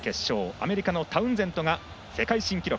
アメリカのタウンゼントが世界新記録。